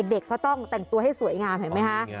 เด็กเขาต้องแต่งตัวให้สวยงามเห็นไหมคะ